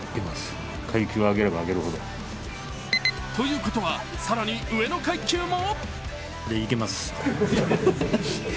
ということは更に上の階級も？